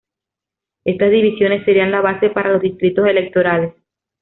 Estas divisiones serían la base para los distritos electorales.